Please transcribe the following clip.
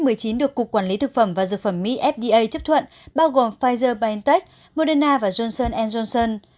covid một mươi chín được cục quản lý thực phẩm và dược phẩm mỹ fda chấp thuận bao gồm pfizer biontech moderna và johnson johnson